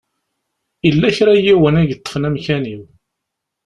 Yella kra n yiwen i yeṭṭfen amkan-iw.